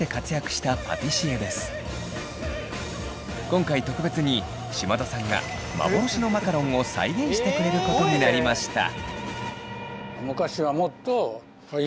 今回特別に島田さんが幻のマカロンを再現してくれることになりました。